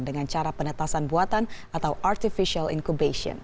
dengan cara penetasan buatan atau artificial incubation